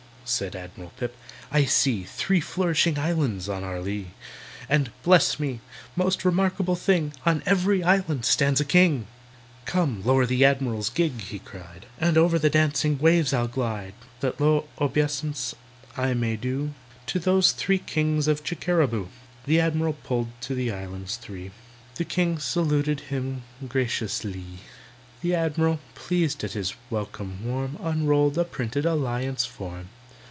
said ADMIRAL PIP, "I see Three flourishing islands on our lee. And, bless me! most remarkable thing! On every island stands a king! "Come, lower the Admiral's gig," he cried, "And over the dancing waves I'll glide; That low obeisance I may do To those three kings of Chickeraboo!" The Admiral pulled to the islands three; The kings saluted him gracious_lee_. The Admiral, pleased at his welcome warm, Unrolled a printed Alliance form.